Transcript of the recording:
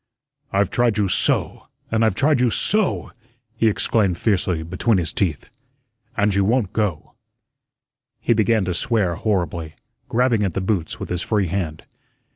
"I've tried you SO, and I've tried you SO," he exclaimed fiercely, between his teeth, "and you won't go." He began to swear horribly, grabbing at the boots with his free hand.